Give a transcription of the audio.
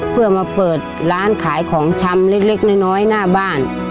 เพื่อมาเปิดร้านขายของชำเล็กน้อยหน้าบ้าน